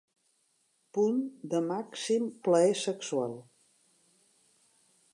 Punt de màxim plaer sexual.